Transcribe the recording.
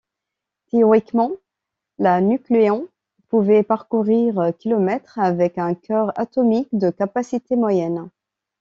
Théoriquement, la Nucleon pouvait parcourir km avec un cœur atomique de capacité moyenne.